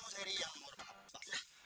seri yang berapa